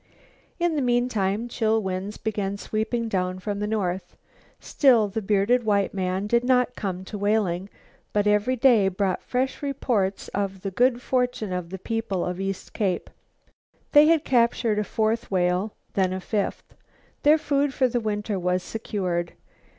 In the meantime, chill winds began sweeping down from the north. Still the bearded white man did not come to Whaling, but every day brought fresh reports of the good fortune of the people of East Cape. They had captured a fourth whale, then a fifth. Their food for the winter was secured.